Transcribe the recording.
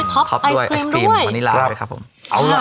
ทอปทอปด้วยไอศครีมมะนิลา